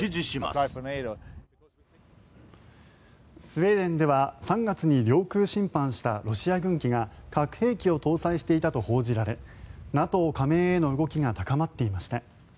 スウェーデンでは３月に領空侵犯したロシア軍機が核兵器を搭載していたと報じられＮＡＴＯ加盟への動きが高まっていました。